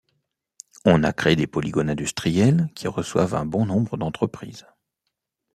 On a créé des polygones industriels qui reçoivent un bon nombre d'entreprises.